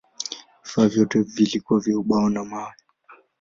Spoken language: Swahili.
Vifaa vyote vilikuwa vya ubao na mawe.